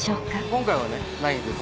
今回はねないんです。